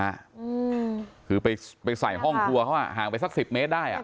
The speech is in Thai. อืมคือไปไปใส่ห้องครัวเขาอ่ะห่างไปสักสิบเมตรได้อ่ะ